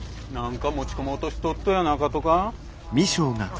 何か持ち込もうとしとっとやなかとか？